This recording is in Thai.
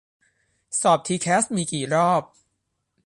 สอบทีแคสมีกี่รอบ